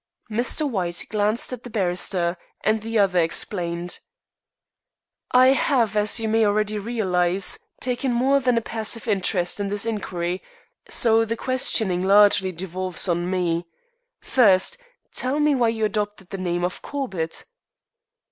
Mr. White glanced at the barrister, and the other explained. "I have, as you may already realize, taken more than a passive interest in this inquiry, so the questioning largely devolves on me. First, tell me why you adopted the name of Corbett?"